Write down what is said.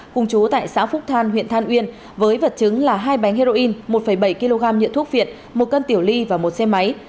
cùng chú tại xã phúc thàn huyện thân uyên với vật chứng là hai bánh heroin một bảy kg nhiễu thuốc phiện một cân tiểu ly và một xe máy